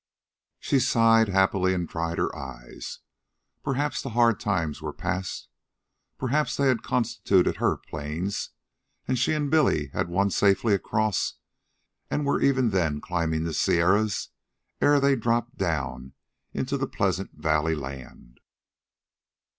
She sighed happily and dried her eyes. Perhaps the hard times were past. Perhaps they had constituted HER Plains, and she and Billy had won safely across and were even then climbing the Sierras ere they dropped down into the pleasant valley land.